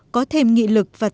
có thêm nghị lực và tâm khảm